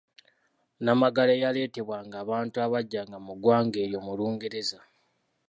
Nnamagalo eyaleetebwanga abantu abajjanga mu ggwanga eryo mu lungereza.